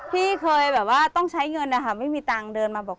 พี่เคยแบบว่าต้องใช้เงินนะคะไม่มีตังค์เดินมาบอก